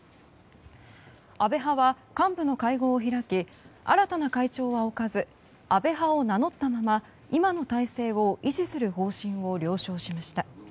安倍派は幹部の会合を開き新たな会長は置かず安倍派を名乗ったまま今の体制を維持する方針を了承しました。